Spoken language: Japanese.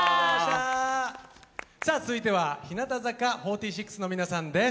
さあ続いては日向坂４６の皆さんです。